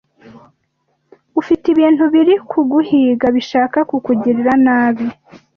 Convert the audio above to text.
ufite ibintu biri kuguhiga bishaga kukugirira nabi.